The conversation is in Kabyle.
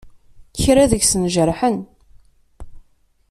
Kra deg-sen jerḥen.